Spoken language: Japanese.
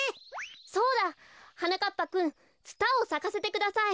そうだ！はなかっぱくんツタをさかせてください。